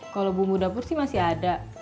kalau bumbu dapur sih masih ada